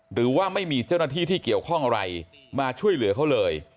หรือว่าไม่มีเจ้าหน้าที่ที่เกี่ยวข้องอะไรมาช่วยเหลือเขาเลย